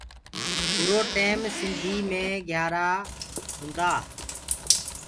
اُرآ ٽيم سنڌيٚ مي گھِيآرآ هونٚدآ۔